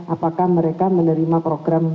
apakah mereka menerima program